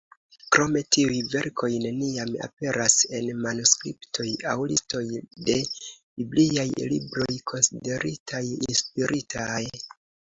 Krome tiuj verkoj neniam aperas en manuskriptoj aŭ listoj de bibliaj libroj konsideritaj inspiritaj.